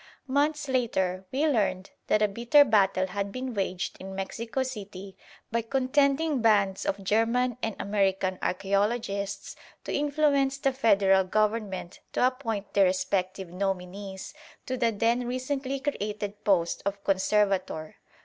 Months later we learned that a bitter battle had been waged in Mexico City by contending bands of German and American archæologists to influence the Federal Government to appoint their respective nominees to the then recently created post of Conservator.